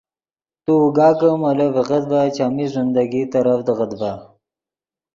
تو اوگا کہ مولو ڤیغت ڤے چیمی زندگی ترڤدیغت ڤے